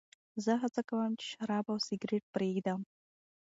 زه هڅه کوم چې شراب او سګرېټ پرېږدم.